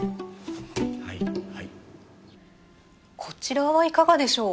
はいはいこちらはいかがでしょう？